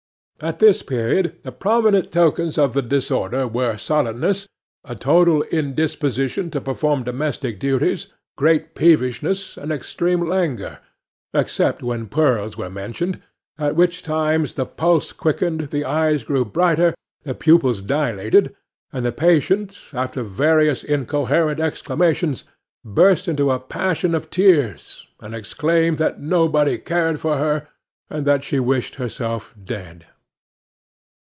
At this period the prominent tokens of the disorder were sullenness, a total indisposition to perform domestic duties, great peevishness, and extreme languor, except when pearls were mentioned, at which times the pulse quickened, the eyes grew brighter, the pupils dilated, and the patient, after various incoherent exclamations, burst into a passion of tears, and exclaimed that nobody cared for her, and that she wished herself dead.